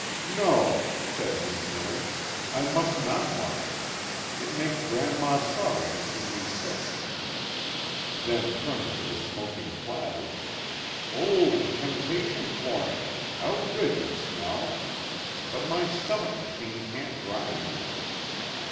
" No," said Missmilly, " I must not want it. It makes Grandma sorry to see me sick." Then turning to the smoking platter: "Oh! tempta tion corn, how good you smell ! but my stomach machine can't grind you."